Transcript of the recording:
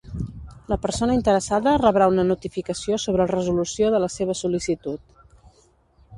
La persona interessada rebrà una notificació sobre resolució de la seva sol·licitud.